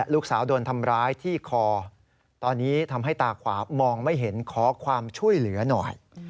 ลูกสาวโดนทำร้ายที่คอตอนนี้ทำให้ตาขวามองไม่เห็นขอความช่วยเหลือหน่อย